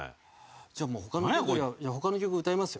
じゃあもう他の曲他の曲歌いますよ。